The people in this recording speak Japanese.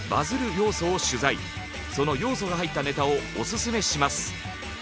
その要素が入ったネタをオススメします。